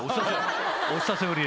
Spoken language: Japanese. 「お久しぶり」